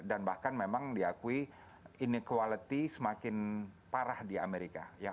dan bahkan memang diakui inequality semakin parah di amerika